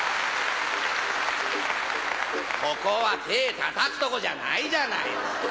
ここは手たたくとこじゃないじゃないですか。